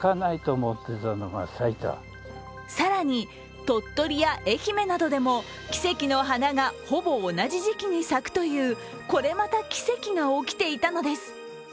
更に、鳥取や愛媛などでも奇跡の花がほぼ同じ時期に咲くというこれまた奇跡が起きていたのです。